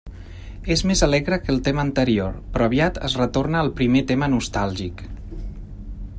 És més alegre que el tema anterior, però aviat es retorna al primer tema nostàlgic.